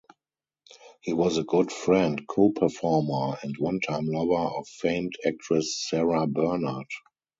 He was a good friend, co-performer, and one-time lover of famed actress Sarah Bernhardt.